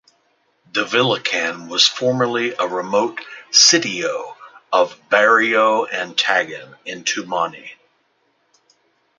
Divilacan was formerly a remote sitio of Barrio Antagan in Tumauini.